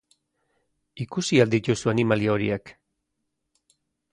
Ikusi al dituzu animalia horiek?